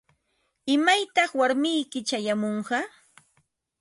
¿Imaytaq warmiyki chayamunqa?